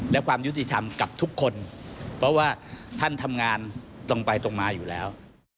และความยุติธรรมกับทุกคนเพราะว่าท่านทำงานตรงไปตรงมาอยู่แล้ว